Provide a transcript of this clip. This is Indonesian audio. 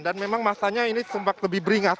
dan memang masanya ini sempat lebih beringat